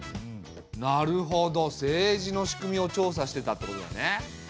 なるほど政治の仕組みを調査してたってことだよね。